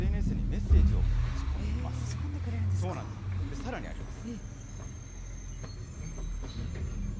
さらにあります。